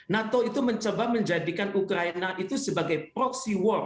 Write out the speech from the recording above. nato itu mencoba menjadikan ukraina itu sebagai warga proksi